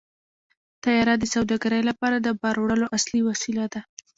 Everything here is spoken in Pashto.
طیاره د سوداګرۍ لپاره د بار وړلو اصلي وسیله ده.